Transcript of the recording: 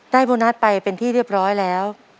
โบนัสไปเป็นที่เรียบร้อยแล้ว